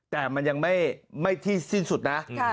แต่มันยังไม่ที่สิ้นสุดนะ